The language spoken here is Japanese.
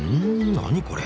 何これ？